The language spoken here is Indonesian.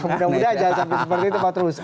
mudah mudahan aja seperti itu pak trubus